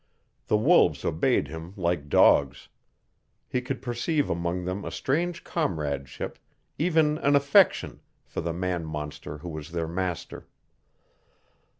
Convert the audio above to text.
The wolves obeyed him like dogs. He could perceive among them a strange comradeship, even an affection, for the man monster who was their master.